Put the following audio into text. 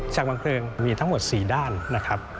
วางเพลิงมีทั้งหมด๔ด้านนะครับ